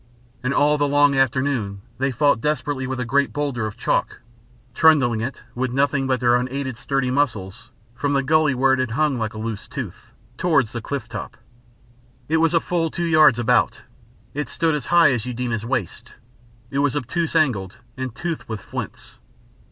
And all the long afternoon they fought desperately with a great boulder of chalk; trundling it, with nothing but their unaided sturdy muscles, from the gully where it had hung like a loose tooth, towards the cliff top. It was full two yards about, it stood as high as Eudena's waist, it was obtuse angled and toothed with flints.